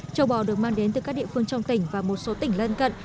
châu bò được mang đến từ các địa phương trong tỉnh và một số tỉnh lân cận